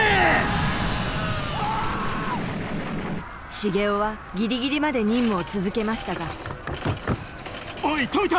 繁雄はギリギリまで任務を続けましたがおい富田！